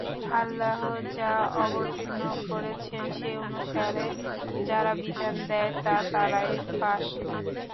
আল্লাহ্ যা অবতীর্ণ করেছেন সে অনুসারে যারা বিধান দেয় না তারাই ফাসিক।